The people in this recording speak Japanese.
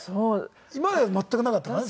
今までは全くなかったからね。